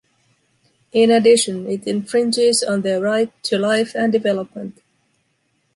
In addition, it infringes on their right to life and development.